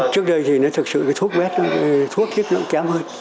trước đây thì nó thực sự thuốc vết thuốc thiết lượng kém hơn